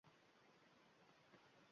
Lek sungi lahzada gamgin qalbimga